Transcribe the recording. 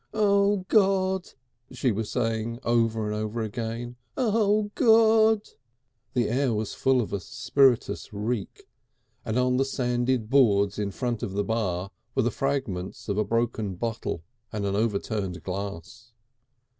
"O God!" she was saying over and over again. "O God!" The air was full of a spirituous reek, and on the sanded boards in front of the bar were the fragments of a broken bottle and an overturned glass.